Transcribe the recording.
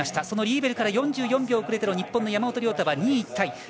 そのリーベルから４４秒遅れての日本の山本涼太、２位タイ。